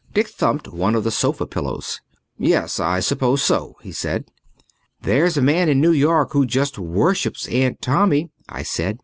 Dick thumped one of the sofa pillows. "Yes, I suppose so," he said. "There's a man in New York who just worships Aunt Tommy," I said.